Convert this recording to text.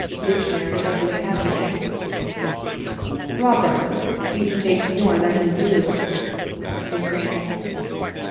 (Dictionary of the Academy.) Robber: He who takes more than his due. (_The same.